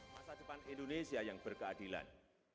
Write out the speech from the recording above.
masa depan indonesia yang berkeadilan